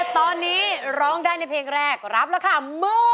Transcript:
ตอนนี้ร้องได้ในเพลงแรกรับแล้วค่ะมือหนึ่ง